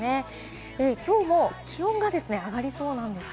きょうも気温が上がりそうなんです。